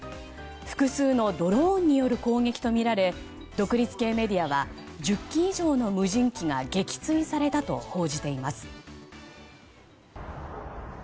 複数のドローンによる攻撃とみられ独立系メディアは１０機以上の無人機が撃墜されたと報じています。